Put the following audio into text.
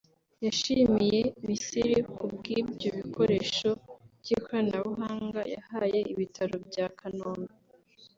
yashimiye Misiri ku bw’ibyo bikoresho by’ikoranabuhanga yahaye ibitaro bya Kanombe